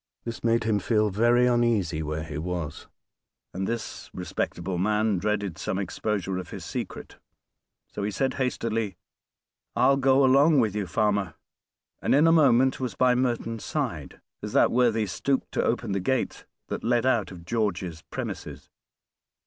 This made him feel very uneasy where he was, and this respectable man dreaded some exposure of his secret. So he said hastily, "I'll go along with you, farmer," and in a moment was by Merton's side, as that worthy stopped to open the gate that led out of George's premises.